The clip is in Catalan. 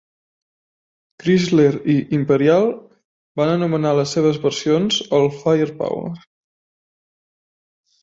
Chrysler i Imperial van anomenar les seves versions el "FirePower".